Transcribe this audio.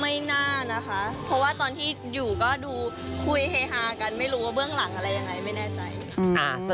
ไม่น่านะคะเพราะว่าตอนที่อยู่ก็ดูคุยเฮฮากันไม่รู้ว่าเบื้องหลังอะไรยังไงไม่แน่ใจค่ะ